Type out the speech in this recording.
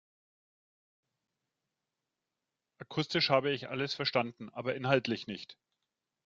Akustisch habe ich alles verstanden, aber inhaltlich nicht.